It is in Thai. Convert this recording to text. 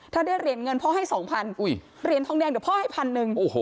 ถ้าได้เหรียญเงินพ่อให้๒๐๐๐เหรียญทองแดงเดี๋ยวพ่อให้๑๐๐๐